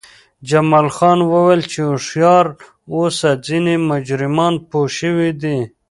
جمال خان وویل چې هوښیار اوسه ځینې جرمنان پوه شوي دي